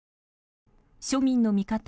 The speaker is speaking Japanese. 庶民の味方